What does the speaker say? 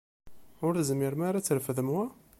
Ur tezmirem ara ad trefdem wa?